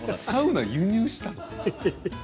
サウナ、輸入したの？